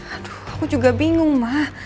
aduh aku juga bingung mah